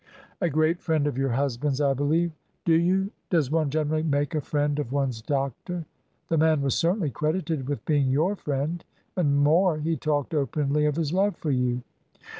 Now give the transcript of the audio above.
"A great friend of your husband's, I believe." "Do you? Does one generally make a friend of one's doctor?" "The man was certainly credited with being your friend. And more, he talked openly of his love for you."